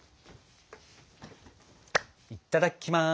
いただきます！